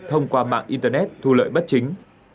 thông qua mạng internet thu lợi bất chính